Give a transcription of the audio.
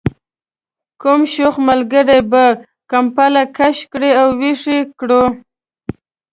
کوم شوخ ملګري به کمپله کش کړې او ویښ یې کړو.